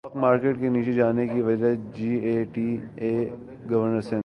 stock market کے نیچے جانے کی وجہ جے ائی ٹی ہے گورنر سندھ